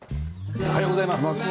おはようございます。